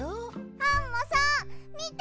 アンモさんみて！